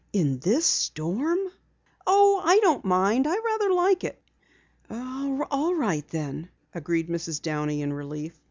"In this storm?" "Oh, I don't mind. I rather like it." "All right, then," agreed Mrs. Downey in relief.